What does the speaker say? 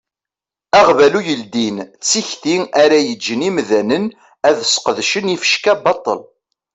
Aɣbalu yeldin d tikti ara yeǧǧen imdanen ad sqedcen ifecka baṭel.